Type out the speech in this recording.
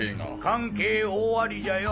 関係大ありじゃよ！